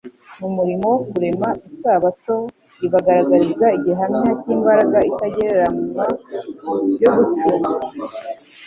Mu murimo wo kurema, isabato ibagaragariza igihamya cy' imbaraga itagererariywa yo gucungura.